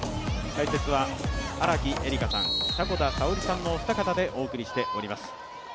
解説は荒木絵里香さん、迫田さおりさんのお二方でお送りしております。